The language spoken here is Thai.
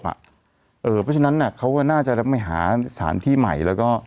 เพราะฉะนั้นน่ะเขาน่าจะไม่หาสารที่ใหม่แล้วก็